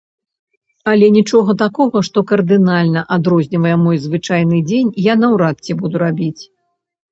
Але нічога такога, што кардынальна адрознівае мой звычайны дзень, я наўрад ці буду рабіць.